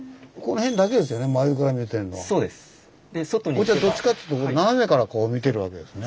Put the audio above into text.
こっちはどっちかっつうと斜めからこう見てるわけですね。